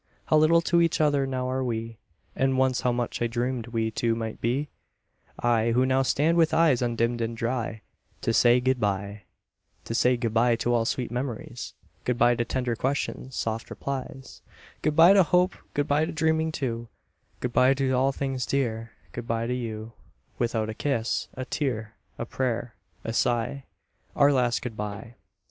How little to each other now are we And once how much I dreamed we two might be! I, who now stand with eyes undimmed and dry To say good bye To say good bye to all sweet memories, Good bye to tender questions, soft replies; Good bye to hope, good bye to dreaming too, Good bye to all things dear good bye to you, Without a kiss, a tear, a prayer, a sigh Our last good bye.